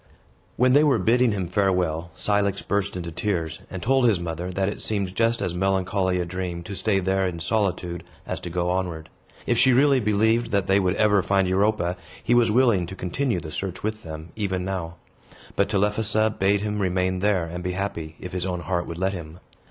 When they were bidding him farewell Cilix burst into tears, and told his mother that it seemed just as melancholy a dream to stay there, in solitude, as to go onward. If she really believed that they would ever find Europa, he was willing to continue the search with them, even now. But Telephassa bade him remain there, and be happy, if his own heart would let him.